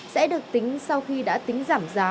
sẽ được tính sau khi đã tính giảm giá